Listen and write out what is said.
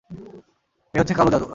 এ হচ্ছে কালো জাদু।